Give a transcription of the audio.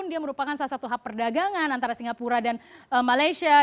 itu hak perdagangan antara singapura dan malaysia